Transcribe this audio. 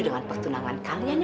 dengan pertunangan kalian